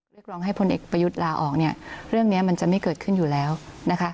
เรียกร้องให้พลเอกประยุทธ์ลาออกเนี่ยเรื่องนี้มันจะไม่เกิดขึ้นอยู่แล้วนะคะ